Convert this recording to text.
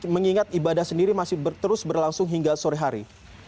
mengingat ibadah sendiri masih terus berlangsung hingga sore hari